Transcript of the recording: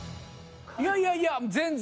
いやいやいや。